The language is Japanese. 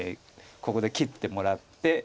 ここで切ってもらって。